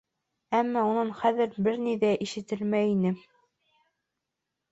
Әммә унан хәҙер бер ни ҙә ишетелмәй ине...